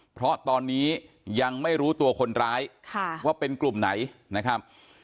เพราะตอนนี้ยังไม่รู้ตัวคนร้ายว่าเป็นกลุ่มไหนนะครับ